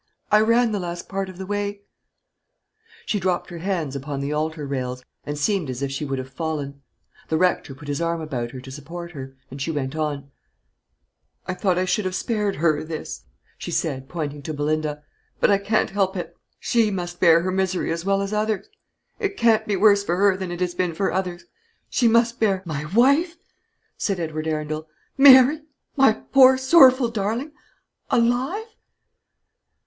I ran the last part of the way " She dropped her hands upon the altar rails, and seemed as if she would have fallen. The rector put his arm about her to support her, and she went on: "I thought I should have spared her this," she said, pointing to Belinda; "but I can't help it. She must bear her misery as well as others. It can't be worse for her than it has been for others. She must bear " "My wife!" said Edward Arundel; "Mary, my poor sorrowful darling alive?"